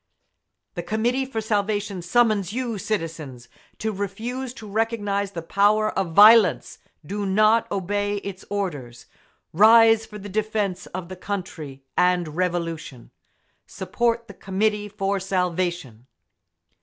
The Committee for Salvation summons you, citizens, to refuse to recognise the power of violence. Do not obey its orders! Rise for the defence of the country and Revolution! Support the Committee for Salvation!